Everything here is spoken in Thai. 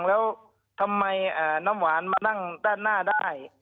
แล้วทำไมน้ำหวานมานั่งด้านหน้าได้